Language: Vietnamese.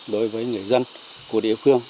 đối với người dân của địa phương